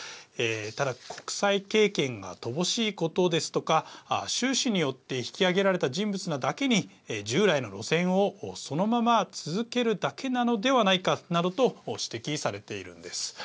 ただ国際経験が乏しいことですとか習氏によって引き上げられた人物なだけに従来の路線をそのまま続けるだけなのではないかなどと指摘されているんです。